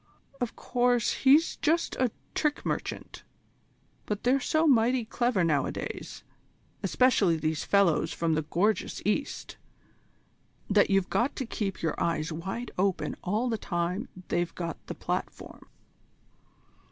"Of course he's just a trick merchant, but they're so mighty clever nowadays, especially these fellows from the gorgeous East, that you've got to keep your eyes wide open all the time they've got the platform."